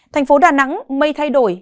thành phố đà nẵng mây thay đổi